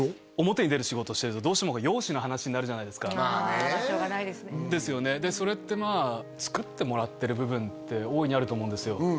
表に出る仕事してるとどうしても容姿の話になるじゃないですかしょうがないですねですよねでそれってまあ作ってもらってる部分って大いにあると思うんですよ